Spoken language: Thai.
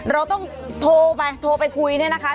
เราต้องโทรไปโทรไปคุยเนี่ยนะคะ